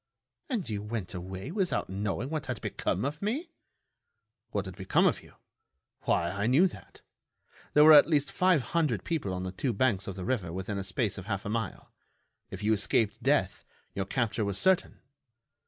"And you went away without knowing what had become of me?" "What had become of you? Why, I knew that. There were at least five hundred people on the two banks of the river within a space of half a mile. If you escaped death, your capture was certain."